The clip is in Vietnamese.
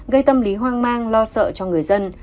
gây tâm lý hoang mang lo sợ cho người dân